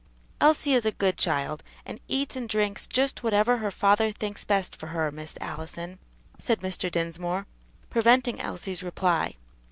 "Elsie is a good child, and eats and drinks just whatever her father thinks best for her, Miss Allison," said Mr. Dinsmore, preventing Elsie's reply.